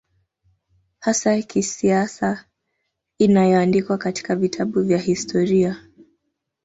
hasa ya kisiasa inayoandikwa katika vitabu vya historia